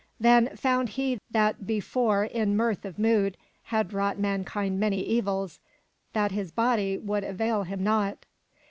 Then found he that before in mirth of mood had wrought mankind many evils that his body would avail him not.